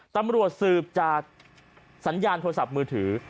ตำรวจสืบจากสัญญาณโทรศัพท์มือถือ